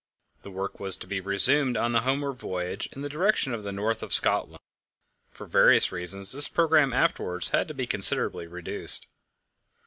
The work was to be resumed on the homeward voyage in the direction of the North of Scotland. For various reasons this programme afterwards had to be considerably reduced.